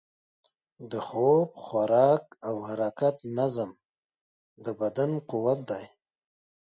د خوب، خوراک او حرکت نظم، د بدن قوت دی.